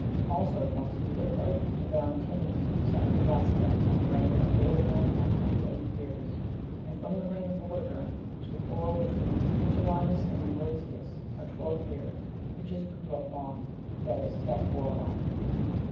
Also from Stilicho to Valentinian, son of Placida, and the reign of Vortigern, are twenty eight years. And from the reign of Vortigern to the quarrel between Guitolinus and Ambrosius, are twelve years, which is Guoloppum, that is Catgwaloph.